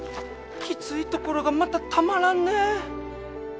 きついところがまたたまらんね。